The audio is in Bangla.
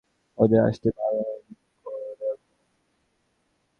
ওদের আসতে বারণ করে দেব।